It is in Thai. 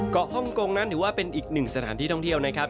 ฮ่องกงนั้นถือว่าเป็นอีกหนึ่งสถานที่ท่องเที่ยวนะครับ